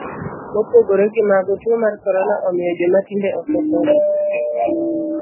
Mopogore gimago, tuo mar korona omiyo joma tindo okethore.